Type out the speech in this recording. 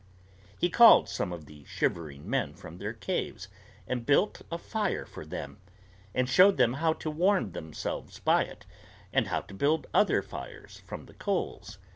He called some of the shivering men from their caves and built a fire for them, and showed them how to warm themselves by it and how to build other fires from the coals.